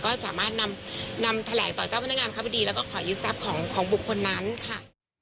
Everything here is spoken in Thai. ก็สามารถนำแถลงต่อเจ้าพนักงานคบดีแล้วก็ขอยึดทรัพย์ของบุคคลนั้นค่ะ